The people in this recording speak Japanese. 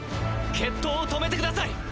決闘を止めてください！